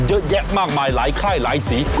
เยอะแยะมากมายหลายค่ายหลายสี